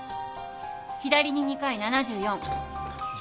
左に２回７４。